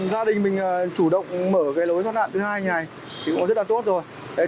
gia đình mình chủ động mở cái lối thoát nạn thứ hai này thì cũng rất là tốt rồi